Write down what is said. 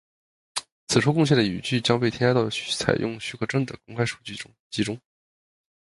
此处贡献的语句将被添加到采用许可证的公开数据集中。